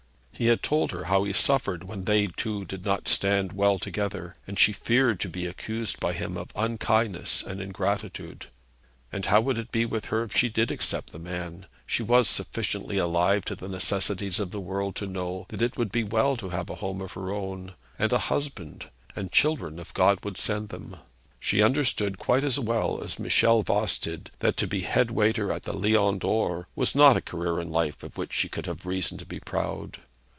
He had told her how he suffered when they two did not stand well together, and she feared to be accused by him of unkindness and ingratitude. And how would it be with her if she did accept the man? She was sufficiently alive to the necessities of the world to know that it would be well to have a home of her own, and a husband, and children if God would send them. She understood quite as well as Michel Voss did that to be head waiter at the Lion d'Or was not a career in life of which she could have reason to be proud.